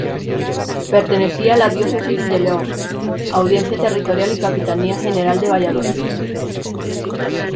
Pertenecía a la diócesis de León; audiencia territorial y capitanía general de Valladolid.